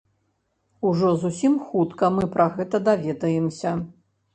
Ужо зусім хутка мы пра гэта даведаемся.